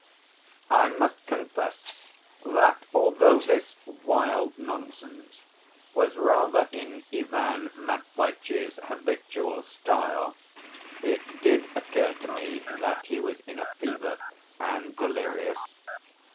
I must confess that although this wild nonsense was rather in Ivan Matveitch's habitual style, it did occur to me that he was in a fever and delirious.